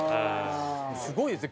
すごいですね